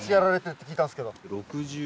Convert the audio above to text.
って聞いたんすけど。